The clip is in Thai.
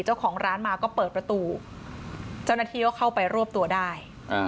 เจ้าของร้านมาก็เปิดประตูเจ้าหน้าที่ก็เข้าไปรวบตัวได้